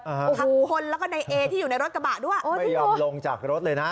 ทั้งคนแล้วก็ในเอที่อยู่ในรถกระบะด้วยเออไม่ยอมลงจากรถเลยนะ